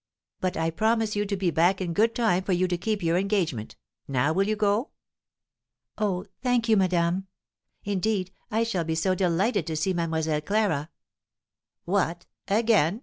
"But I promise you to be back in good time for you to keep your engagement; now will you go?" "Oh, thank you, madame! Indeed, I shall be so delighted to see Mlle. Clara." "What! again?"